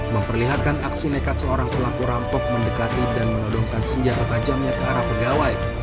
memperlihatkan aksi nekat seorang pelaku rampok mendekati dan menodongkan senjata tajamnya ke arah pegawai